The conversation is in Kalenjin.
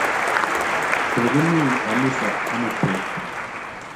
Kokimi ganisa amut peet